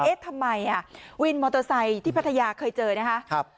เอ๊ะทำไมวินมอเตอร์ไซค์ที่พัทยาเคยเจอนะคะ